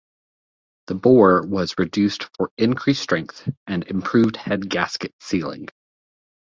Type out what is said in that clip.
The bore was reduced for increased strength and improved head gasket sealing.